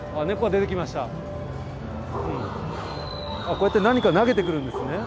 こうやって何か投げてくるんですね。